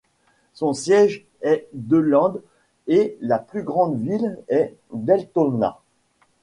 Son siège est DeLand et la plus grande ville est Deltona.